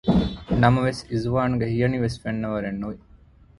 ނަމަވެސް އިޒުވާނުގެ ހިޔަނިވެސް ފެންނަވަރެއް ނުވި